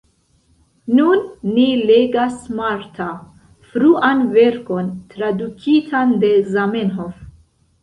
Nun ni legas Marta, fruan verkon tradukitan de Zamenhof.